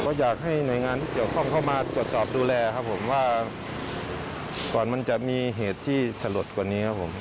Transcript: ก็อยากให้หน่วยงานที่เกี่ยวข้องเข้ามาตรวจสอบดูแลครับผมว่าก่อนมันจะมีเหตุที่สลดกว่านี้ครับผม